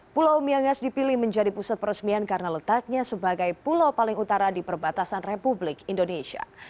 pulau myangas dipilih menjadi pusat peresmian karena letaknya sebagai pulau paling utara di perbatasan republik indonesia